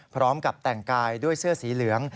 พร้อมกับแต่งกายด้วยเสื้อสีเหลือง